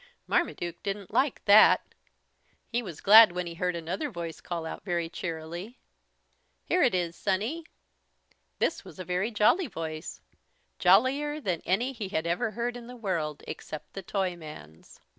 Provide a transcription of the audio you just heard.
Marmaduke didn't like that. He was glad when he heard another voice call out, very cheerily. "Here it is, Sonny!" This was a very jolly voice, jollier than any he had ever heard in the world except the Toyman's.